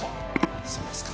そうですか。